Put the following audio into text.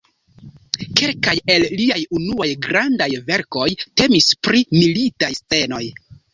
Kelkaj el liaj unuaj grandaj verkoj temis pri militaj scenoj.